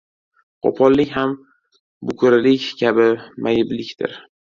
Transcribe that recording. Qo‘pollik ham bukrilik kabi mayiblikdir.